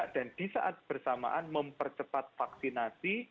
dan di saat bersamaan mempercepat vaksinasi